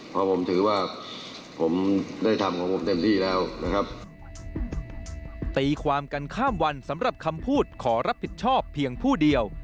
เพราะผมถือว่าผมได้ทำของผมเต็มที่แล้วนะครับตีความกันข้ามวันสำหรับคำพูดขอรับผิดชอบเพียงผู้เดียว